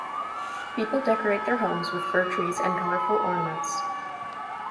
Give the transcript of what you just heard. People decorate their homes with fir trees and colorful ornaments.